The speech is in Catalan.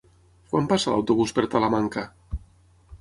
Quan passa l'autobús per Talamanca?